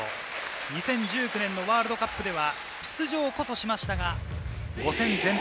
２０１９年のワールドカップでは出場こそしましたが、５戦全敗。